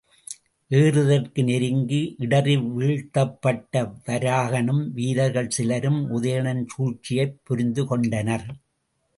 ஏறுதற்கு நெருங்கி இடறிவீழ்த்தப்பட்ட வராகனும் வீரர்கள் சிலரும் உதயணன் சூழ்ச்சியைப் புரிந்துகொண்டனர்.